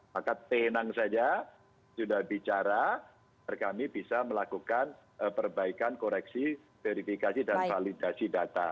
maka tenang saja sudah bicara kami bisa melakukan perbaikan koreksi verifikasi dan validasi data